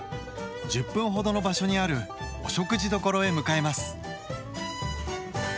１０分ほどの場所にあるお食事どころへ向かいます。